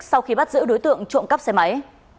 sau khi bắt giữ đối tượng trộm cắp xe máy